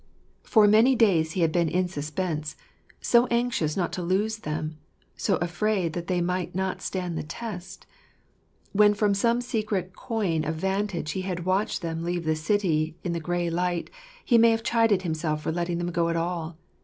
For many ii 6 Joseph making himself kttoUm. days he had been in suspense ; so anxious not to lose them, so afraid that they might not stand the test. When from some secret coign of vantage he had watched them leave the city in the grey light, he may have chided himself for letting them go at all.